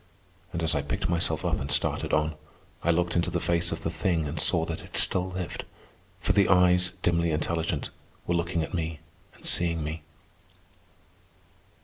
And as I picked myself up and started on, I looked into the face of the thing and saw that it still lived; for the eyes, dimly intelligent, were looking at me and seeing me.